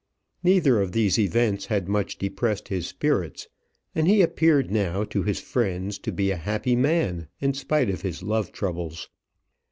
Neither of these events had much depressed his spirits, and he appeared now to his friends to be a happy man in spite of his love troubles.